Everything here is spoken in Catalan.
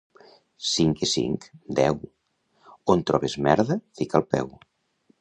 —Cinc i cinc? —Deu. —On trobes merda fica el peu.